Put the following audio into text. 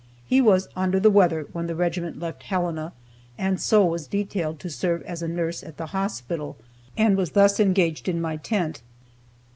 He was "under the weather" when the regiment left Helena, and so was detailed to serve as a nurse at the hospital, and was thus engaged in my tent.